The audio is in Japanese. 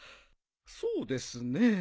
そうですね